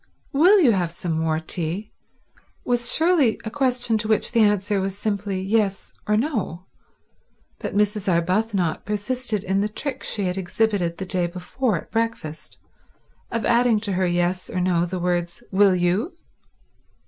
"Will you have some more tea?" was surely a question to which the answer was simply yes or no; but Mrs. Arbuthnot persisted in the trick she had exhibited the day before at breakfast, of adding to her yes or no the words, "Will _you?